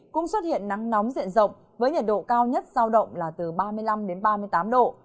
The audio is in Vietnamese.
cũng xuất hiện nắng nóng diện rộng với nhiệt độ cao nhất giao động là từ ba mươi năm đến ba mươi tám độ